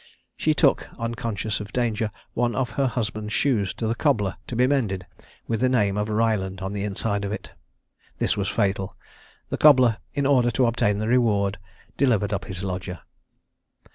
She took, unconscious of danger, one of her husband's shoes to the cobbler to be mended, with the name of "Ryland" on the inside of it. This was fatal: the cobbler, in order to obtain the reward, delivered up his lodger.